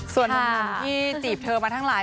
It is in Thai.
ส่วนหนุ่มที่จีบเธอมาทั้งหลาย